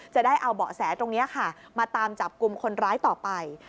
จะได้เอาเบาะแสตรงนี้ค่ะมาตามจับกลุ่มคนร้ายต่อไป